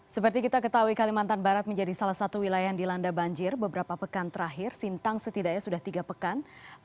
seperti kita ketahui kalimantan barat menjadi salah satu wilayah yang dilanda banjir beberapa pekan terakhir sintang setidaknya sudah tiga pekan